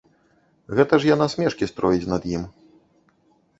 Гэта ж яна смешкі строіць над ім.